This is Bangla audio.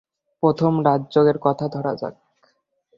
প্রথমে রাজযোগের কথা ধরা যাক।